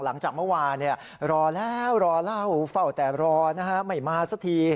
หลังจากเมื่อวานรอแล้วรอเล่าเฝ้าแต่รอไม่มาสักที